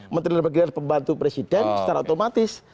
menteri dalam negeri adalah pembantu presiden secara otomatis